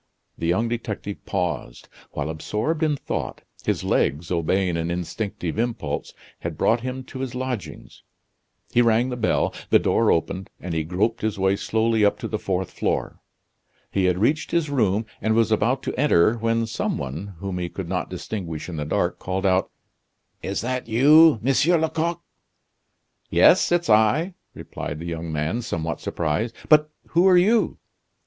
The young detective paused. While absorbed in thought, his legs, obeying an instinctive impulse, had brought him to his lodgings. He rang the bell; the door opened, and he groped his way slowly up to the fourth floor. He had reached his room, and was about to enter, when some one, whom he could not distinguish in the dark, called out: "Is that you, Monsieur Lecoq?" "Yes, it's I!" replied the young man, somewhat surprised; "but who are you?"